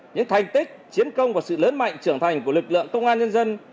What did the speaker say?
những thành tích chiến công và sự lớn mạnh trưởng thành của lực lượng công an nhân dân